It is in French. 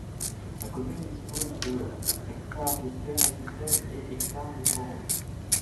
La commune dispose de ha de terres agricoles et ha de forêts.